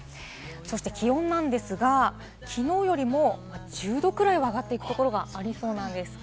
気温なんですが、きのうよりも１０度くらい上がっていくところがありそうです。